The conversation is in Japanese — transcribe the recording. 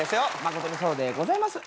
誠にそうでございます。